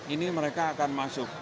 ini mereka akan masuk